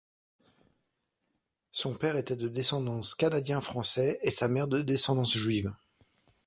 Son père était de descendance canadien-français et sa mère de descendance juive.